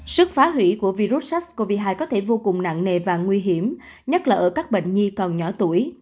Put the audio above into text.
sức phá hủy của virus sars cov hai có thể vô cùng nặng nề và nguy hiểm nhất là ở các bệnh nhi còn nhỏ tuổi